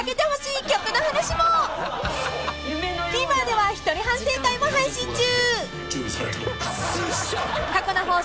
［ＴＶｅｒでは一人反省会も配信中］